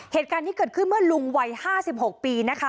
เหตุการณ์เกิดขึ้นเมื่อลุงวัยห้าสิบหกปี